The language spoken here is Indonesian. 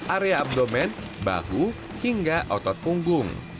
area abdomen bahu hingga otot punggung